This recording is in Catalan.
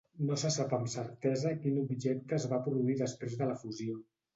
No se sap amb certesa quin objecte es va produir després de la fusió.